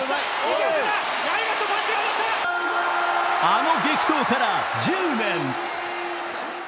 あの激闘から１０年。